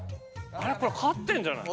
あれこれ勝ってんじゃない？